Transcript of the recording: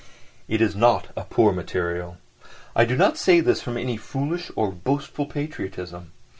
It is not a poor material! I do not say this from any foolish or boastful patriotism.